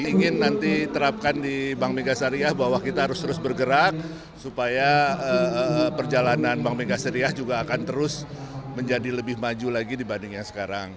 saya ingin nanti terapkan di bank mega syariah bahwa kita harus terus bergerak supaya perjalanan bank mega syariah juga akan terus menjadi lebih maju lagi dibanding yang sekarang